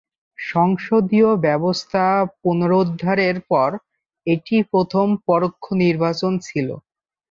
সংসদীয় ব্যবস্থা পুনরুদ্ধারের পর এটিই প্রথম পরোক্ষ নির্বাচন ছিল।